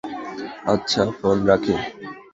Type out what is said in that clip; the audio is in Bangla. আচ্ছা ফোন রাখি।